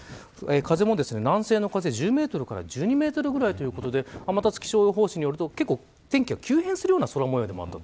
風も南西の風１０メートルから１２メートルぐらいということで天達気象予報士によると結構、天気が急変する空模様でもあった。